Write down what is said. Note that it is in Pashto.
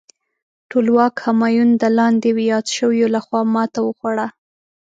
ټولواک همایون د لاندې یاد شویو لخوا ماته وخوړه.